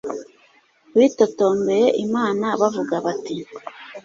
Bitotombeye Imana bavuga bati